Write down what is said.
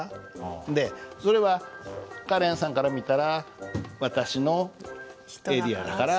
でそれはカレンさんから見たら私のエリアだから。